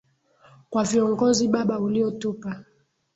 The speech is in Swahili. kwa viongozi Baba uliotupa.